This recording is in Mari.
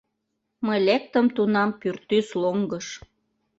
Мый лектым тунам пӱртӱс лоҥгыш.